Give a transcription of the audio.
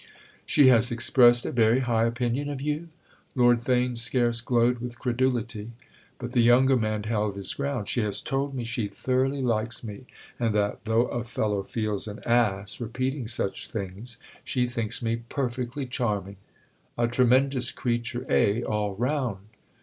"She has expressed a very high opinion of you?"—Lord Theign scarce glowed with credulity. But the younger man held his ground. "She has told me she thoroughly likes me and that—though a fellow feels an ass repeating such things—she thinks me perfectly charming." "A tremendous creature, eh, all round?